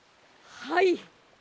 はい。